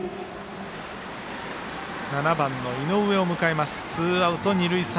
７番の井上を迎えます。